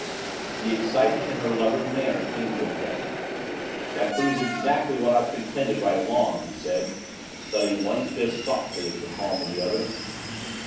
The excitement in her lover's manner came to a head. "That proves exactly what I've contended right along," he said, thudding one fist softly in the palm of the other.